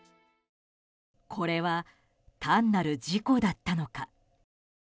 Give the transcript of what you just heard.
これは単なる事故だったのか。